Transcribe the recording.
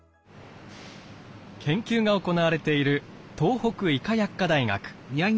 研究が行われている東北医科薬科大学。